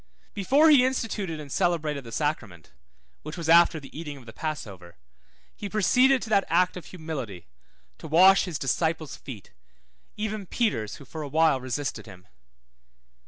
Before he instituted and celebrated the sacrament (which was after the eating of the passover), he proceeded to that act of humility, to wash his disciples' feet, even Peter's, who for a while resisted him.